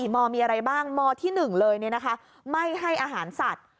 มมีอะไรบ้างมที่๑เลยไม่ให้อาหารสัตว์